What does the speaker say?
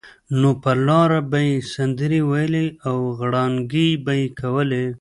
نو پر لاره به یې سندرې ویلې او غړانګې به یې کولې.